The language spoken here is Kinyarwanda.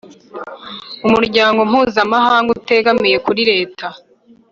Umuryango mpuzamahanga utegamiye kuri Leta